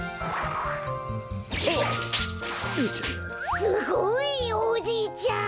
すごい！おじいちゃん。